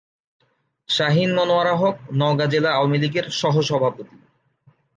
শাহিন মনোয়ারা হক নওগাঁ জেলা আওয়ামী লীগের সহসভাপতি।